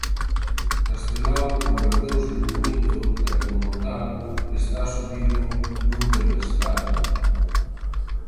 Castelao converteuse nun mito e, como tal, está subido nun pedestal.